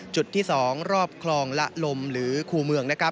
จุดที่สองรอบคลองละลมหรือคูเมือง